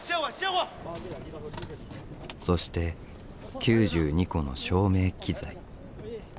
そして９２個の照明機材。